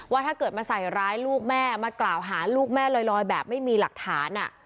ถ้าเกิดมาใส่ร้ายลูกแม่มากล่าวหาลูกแม่ลอยแบบไม่มีหลักฐาน